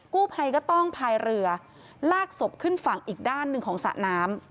กู้ภัยก็ต้องพายเรือลากศพขึ้นฝั่งอีกด้านหนึ่งของสระน้ำ